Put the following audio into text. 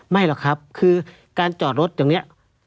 ไม่หรอกครับคือการจอดรถอย่างนี้